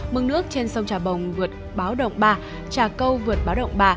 mực nước trên sông trà bồng vượt báo động ba trà câu vượt báo động ba